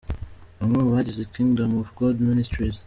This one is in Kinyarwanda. Bamwe mu bagize Kingdom of God Ministries.